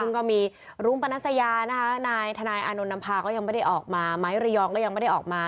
ซึ่งก็มีรุ้งปนัสยานะคะนายทนายอานนท์นำพาก็ยังไม่ได้ออกมาไม้ระยองก็ยังไม่ได้ออกมา